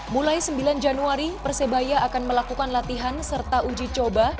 mulai sembilan januari persebaya akan melakukan latihan serta uji coba